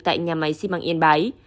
tại nhà máy xi măng yên bái